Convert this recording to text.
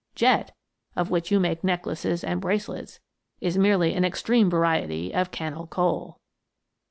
Jet, of which you make necklaces and bracelets, is merely an extreme variety of cannel coal.